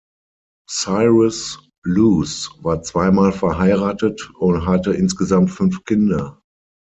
Cyrus Luce war zweimal verheiratet und hatte insgesamt fünf Kinder.